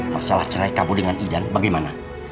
masalah cerai kabu dengan idan bagaimana